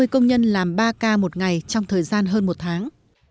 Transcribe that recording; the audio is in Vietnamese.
ba mươi công nhân làm ba ca một ngày trong thời gian hơn một tháng